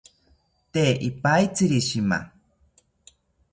Tee ipaitziri shima